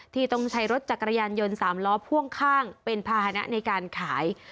ที่ต้องใช้รถจักรยานยนต์๓ล้อพ่วงข้างเป็นภาษณะในการขาย